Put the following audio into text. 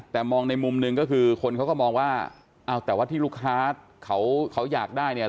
แต่มองในมุมหนึ่งก็คือคนเขาก็มองว่าเอาแต่ว่าที่ลูกค้าเขาอยากได้เนี่ย